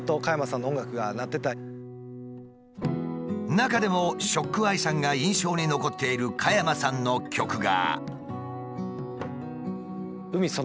中でもＳＨＯＣＫＥＹＥさんが印象に残っている加山さんの曲が。